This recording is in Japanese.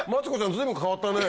随分変わったね。